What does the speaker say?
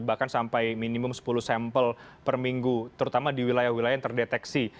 bahkan sampai minimum sepuluh sampel per minggu terutama di wilayah wilayah yang terdeteksi